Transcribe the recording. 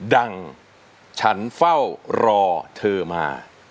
ดังฉันเฝ้ารอเธอมา